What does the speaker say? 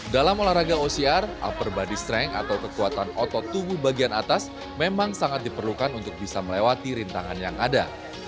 dalam olahraga ocr upper body strength atau kekuatan otot tubuh bagian atas memang sangat diperlukan untuk bisa melewati rintangan yang ada